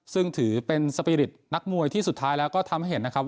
ซึ่งถือเป็นสปีริตนักมวยที่สุดท้ายแล้วก็ทำให้เห็นนะครับ